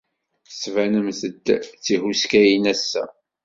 Tettbanemt-d d tihuskayin ass-a.